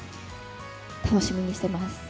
楽しみにしてます。